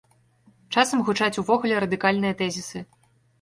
Часам гучаць увогуле радыкальныя тэзісы.